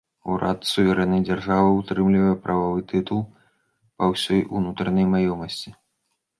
Урад суверэннай дзяржавы ўтрымлівае прававы тытул па ўсёй унутранай маёмасці.